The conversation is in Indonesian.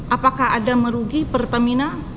apakah ada merugi pertamina